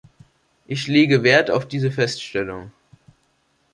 Ich lege Wert auf diese Feststellung.